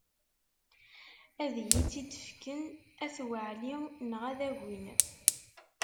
Ad iyi-tt-id-fken At Waɛli neɣ ad agin.